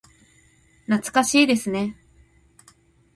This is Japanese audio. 懐かしいですね。